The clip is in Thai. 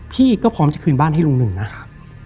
พี่ก็พร้อมจะคืนบ้านให้ลุงหนึ่งนะครับ